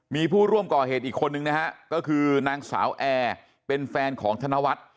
มีผู้ร่วมก่อเหตุอีกคนนึงนะฮะก็คือนางสาวแอร์เป็นแฟนของธนวัฒน์